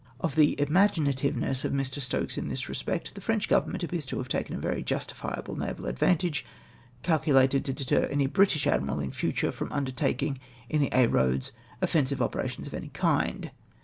Of the imaginativeness of Mr. Stokes in this respect, the French Government appears to have taken a very jus tifiable naval advantage, calculated to deter any British admiral in future from undertaking in Aix Eoads offensive operations of any kind.